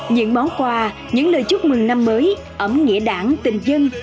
những món quà những lời chúc mừng năm mới ấm nghĩa đảng tình dân